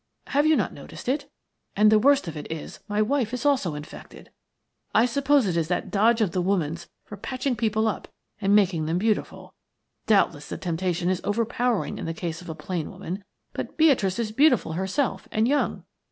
Have you not noticed it? And the worst of it is my wife is also infected. I suppose it is that dodge of the woman's for patching people up and making them beautiful. Doubtless the temptation is overpowering in the case of a plain woman, but Beatrice is beautiful herself and young.